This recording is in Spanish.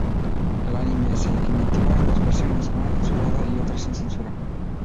El anime se emitió en dos versiones: una censurada y otra sin censura.